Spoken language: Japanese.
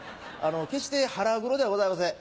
決して腹黒ではございません